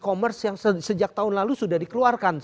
e commerce yang sejak tahun lalu sudah dikeluarkan